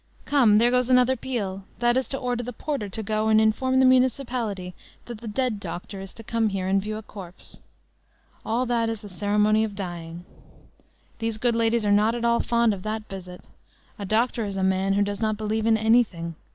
Come, there goes another peal, that is to order the porter to go and inform the municipality that the dead doctor is to come here and view a corpse. All that is the ceremony of dying. These good ladies are not at all fond of that visit. A doctor is a man who does not believe in anything.